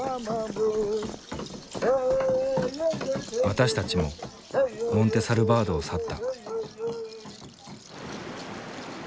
私たちもモンテ・サルバードを去った。